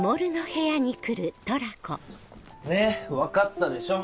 ねっ分かったでしょ？